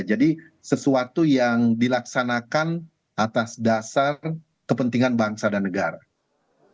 sesuatu yang dilaksanakan atas dasar kepentingan bangsa dan negara